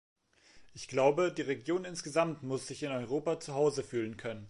Ich glaube, die Region insgesamt muss sich in Europa zu Hause fühlen können.